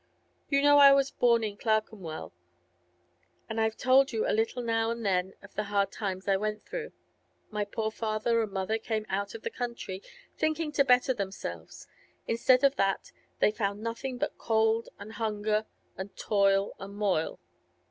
You know I was born in Clerkenwell, and I've told you a little now and then of the hard times I went through. My poor father and mother came out of the country, thinking to better themselves; instead of that, they found nothing but cold and hunger, and toil and moil.